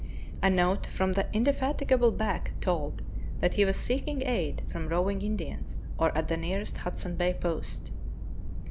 A note from the indefat igable Back told that he was seeking aid from roving Indians or at the nearest Hudson Bay post.